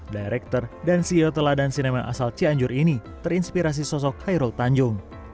director dan ceo teladan cinema asal cianjur ini terinspirasi sosok khairul tanjung